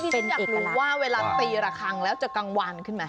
อยากรู้ว่าเวลาตีระคังแล้วจะกังวานขึ้นไหม